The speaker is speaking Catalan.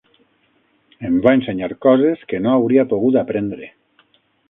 Em va ensenyar coses que no hauria pogut aprendre